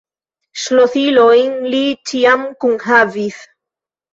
Ŝlosilojn li ĉiam kunhavis.